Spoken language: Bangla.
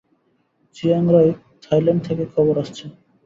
চিয়াং রাই, থাইল্যান্ড থেকে খবর আসছে।